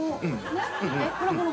ねっ。